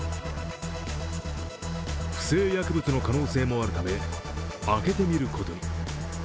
不正薬物の可能性もあるため開けてみることに。